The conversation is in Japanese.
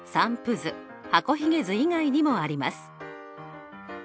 図箱ひげ図以外にもあります。